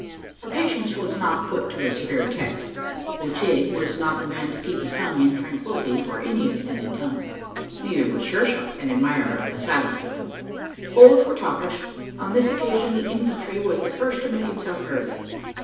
Our patience was not put to a severe test. O'Tigg was not the man to keep his tongue in tranquillity for any extended time. Neither was Sure shot an admirer of the silent system. Both were talkers. On this occasion, the "infantry" was the first to make himself heard.